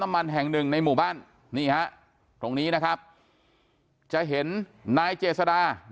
น้ำมันแห่งหนึ่งในหมู่บ้านนี่ครับตรงนี้นะครับจะเห็นนายเจศดา